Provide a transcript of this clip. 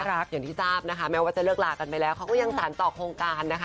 อย่างที่ทราบนะคะแม้ว่าจะเลิกลากันไปแล้วเขาก็ยังสารต่อโครงการนะคะ